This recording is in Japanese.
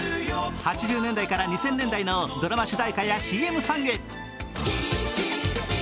８０年代から２０００年代のドラマ主題歌やＣＭソング。